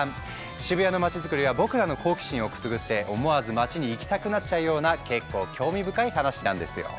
渋谷のまちづくりは僕らの好奇心をくすぐって思わず街に行きたくなっちゃうような結構興味深い話なんですよ。